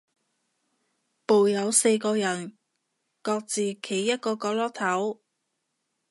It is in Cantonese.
部有四個人，各自企一個角落頭